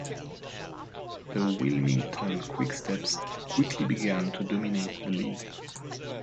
The Wilmington Quicksteps quickly began to dominate the league.